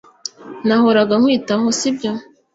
Nahoraga nkwitaho sibyo